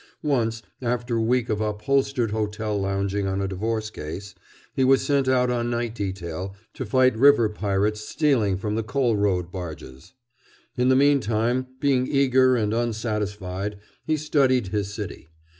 Once, after a week of upholstered hotel lounging on a divorce case he was sent out on night detail to fight river pirates stealing from the coal road barges. In the meantime, being eager and unsatisfied, he studied his city.